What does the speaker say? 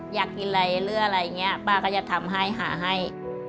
อยากกินอะไรหรืออะไรอย่างนี้ป้าก็จะทำให้หาให้